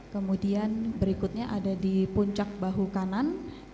kemudian berikutnya ada di puncak bahu kanan